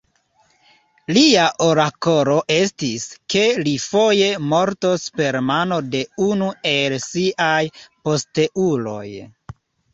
Lia orakolo estis, ke li foje mortos per mano de unu el siaj posteuloj.